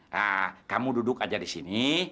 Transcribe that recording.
nah kamu duduk aja di sini